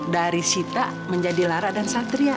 dari sita menjadi lara dan satria